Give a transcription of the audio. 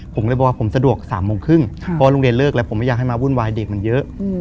ผมก็เลยบอกผมสะดวกละ๑๐๓๐จนกว่าลงเรียนเลิกตรงนี้ผมไม่อยากให้เขามาวุ่นวายเด็กมันเยอะ